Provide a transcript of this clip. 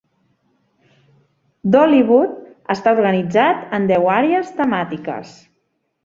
Dollywood està organitzat en deu àrees temàtiques.